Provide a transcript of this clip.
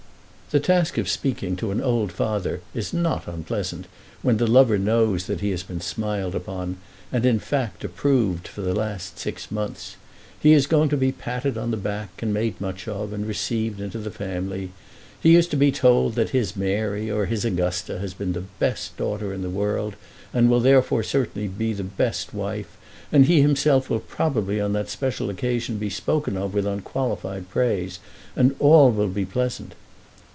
The task of speaking to an old father is not unpleasant when the lover knows that he has been smiled upon, and, in fact, approved for the last six months. He is going to be patted on the back, and made much of, and received into the family. He is to be told that his Mary or his Augusta has been the best daughter in the world and will therefore certainly be the best wife, and he himself will probably on that special occasion be spoken of with unqualified praise, and all will be pleasant.